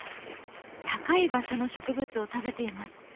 高い場所の植物を食べています。